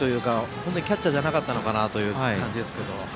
本当にキャッチャーじゃなかったのかなという感じですが。